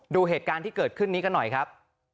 ดูเหตุการณ์ที่เกิดขึ้นนี้กันหน่อยครับ